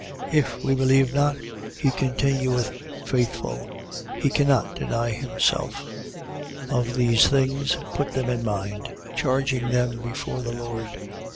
2:13. If we believe not, he continueth faithful, he cannot deny himself. 2:14. Of these things put them in mind, charging them before the Lord.